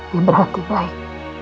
yang berhati baik